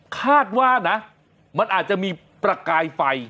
คาดว่านะมันอาจจะมีประกายไฟ